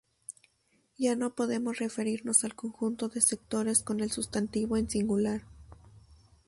Ya no podemos referirnos al conjunto de sectores con el sustantivo en singular.